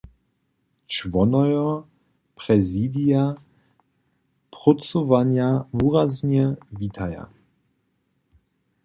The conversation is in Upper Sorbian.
Čłonojo prezidija prócowanja wuraznje witaja.